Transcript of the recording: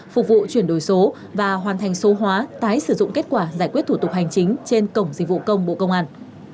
phục vụ chuyển đổi số và hoàn thành số hóa tái sử dụng kết quả giải quyết thủ tục hành chính trên cổng dịch vụ công bộ công an